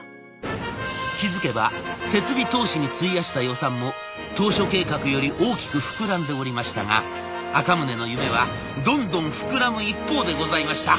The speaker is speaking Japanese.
気付けば設備投資に費やした予算も当初計画より大きく膨らんでおりましたが赤宗の夢はどんどん膨らむ一方でございました。